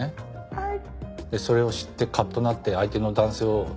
はい。